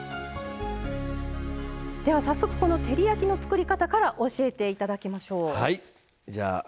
早速、照り焼きの作り方から教えていただきましょう。